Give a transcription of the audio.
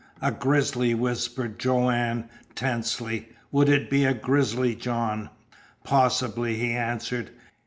"A grizzly," whispered Joanne tensely. "Would it be a grizzly, John?" "Possibly," he answered.